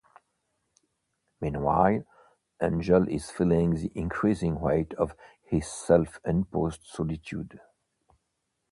Meanwhile Angel is feeling the increasing weight of his self-imposed solitude.